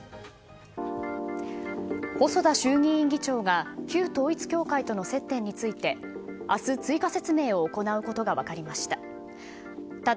細田衆議院議長が旧統一教会との接点について明日、追加説明を行うことが分かりました。